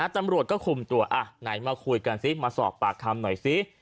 ตำรวจก็คุมตัวไหนมาคุยกันซิมาสอบปากคำหน่อยสิ